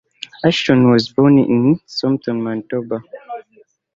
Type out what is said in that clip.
Ashton was born in Thompson, Manitoba.